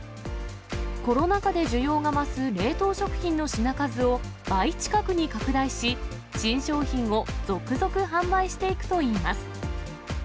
コロナ禍で需要が増す冷凍食品の品数を倍近くに拡大し、新商品を続々販売していくといいます。